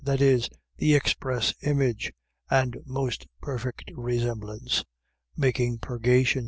. .that is, the express image, and most perfect resemblance. Making purgation.